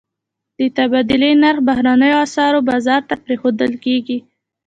د تبادلې نرخ بهرنیو اسعارو بازار ته پرېښودل کېږي.